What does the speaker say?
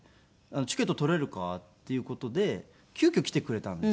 「チケット取れるか？」っていう事で急遽来てくれたんですね。